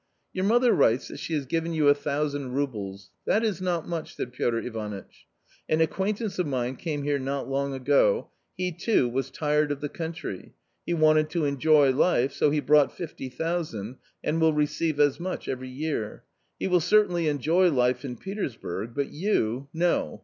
" Your mother writes that she has given you a thousand roubles; that is not much," said Piotr Ivanitch. "An acquaintance of mine came here not long ago, he, too, was tired of the country ; he wanted to enjoy life, so he brought fifty thousand and will receive as much every year. He will certainly enjoy life in Petersburg, but you — no